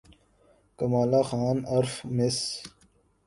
کمالہ خان عرف مس